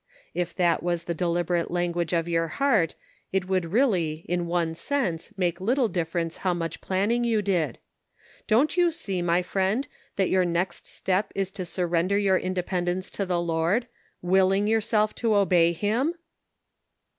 If that was the deliberate language of your heart, it would really, in ojie sense make little differ ence how much planning you did. Don't you see, my friend, that your next step is to surrender your independence to the Lord, willing yourself to obey him